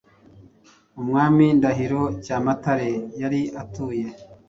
Umwami Ndahiro Cyamatare yari atuye.